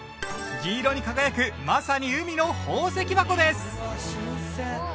銀色に輝くまさに海の宝石箱です！